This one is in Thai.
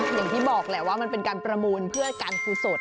อย่างที่บอกแหละว่ามันเป็นการประมูลเพื่อการกุศล